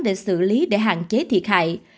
để xử lý để hạn chế thiệt hại